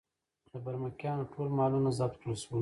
د برمکیانو ټول مالونه ضبط کړل شول.